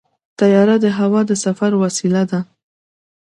طیاره د هوا د سفر وسیله ده.